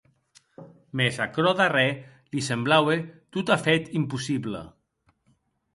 Mès aquerò darrèr li semblaue totafèt impossible.